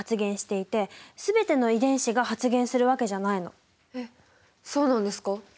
実はえっそうなんですか？